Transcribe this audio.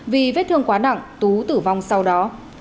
vì vết thương quá nặng tú tử vong sau đó